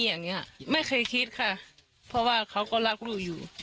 อย่างนี้ไม่เคยคิดค่ะเพราะว่าเขาก็รักลูกอยู่